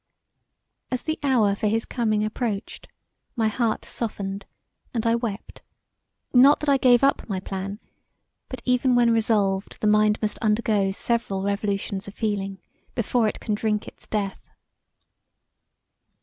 As the hour for his coming approached my heart softened and I wept; not that I gave up my plan, but even when resolved the mind must undergo several revolutions of feeling before it can drink its death.